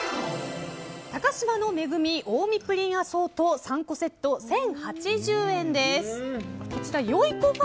高島の恵み近江プリンアソート３個セット１０８０円です。